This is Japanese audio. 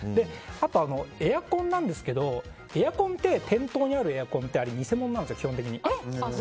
あとエアコンなんですけどエアコンって店頭にあるエアコンって偽物なんです、基本的に。